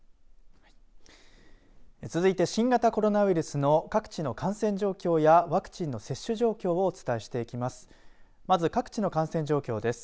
続いて新型コロナウイルスの各地の感染状況やワクチンの接種状況をお伝えしていきます。